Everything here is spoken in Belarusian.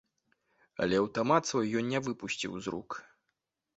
Але аўтамат свой ён не выпусціў з рук.